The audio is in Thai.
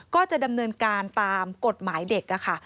ก็จะดำเนินการตามกฎหมายเด็กค่ะ